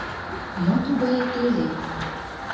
Мо тугае теле?